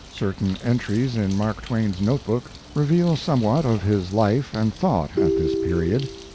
Certain entries in Mark Twain's note book reveal somewhat of his life and thought at this period.